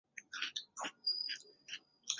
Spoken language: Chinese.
后来由单簧管手兼作曲家加以改良。